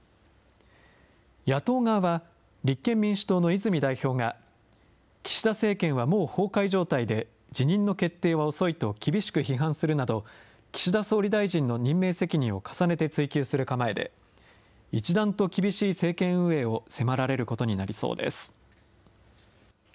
野党側は、立憲民主党の泉代表が、岸田政権はもう崩壊状態で、辞任の決定は遅いと厳しく批判するなど、岸田総理大臣の任命責任を重ねて追及する構えで、一段と厳しい政権運営を迫られることになりそうです。